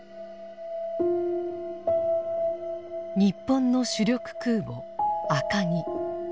日本の主力空母「赤城」。